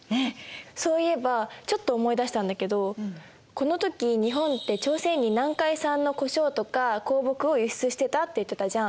そういえばちょっと思い出したんだけどこの時日本って朝鮮に南海産の胡椒とか香木を輸出してたって言ってたじゃん。